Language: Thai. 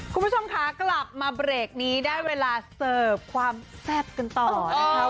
คุณผู้ชมคะกลับมาเบรกนี้ได้เวลาเสิร์ฟความแซ่บกันต่อนะคะ